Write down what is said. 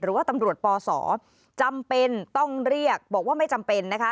หรือว่าตำรวจปศจำเป็นต้องเรียกบอกว่าไม่จำเป็นนะคะ